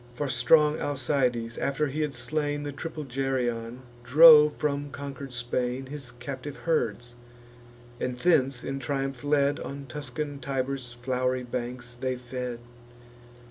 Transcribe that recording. For strong Alcides, after he had slain The triple Geryon, drove from conquer'd Spain His captive herds; and, thence in triumph led, On Tuscan Tiber's flow'ry banks they fed.